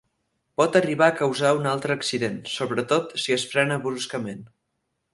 Pot arribar a causar un altre accident, sobretot si es frena bruscament.